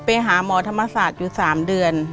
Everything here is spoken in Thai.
ไปหาหมอธรรมศาสตร์อยู่๓เดือน